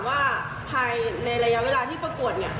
แล้วเราก็แบบถามว่าภายในระยะเวลาที่ประกวดเนี่ย